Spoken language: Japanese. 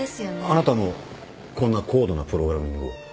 あなたもこんな高度なプログラミングを？